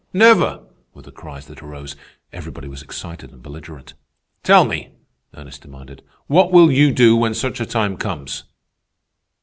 never!" were the cries that arose. Everybody was excited and belligerent. "Tell me," Ernest demanded, "what will you do when such a time comes?"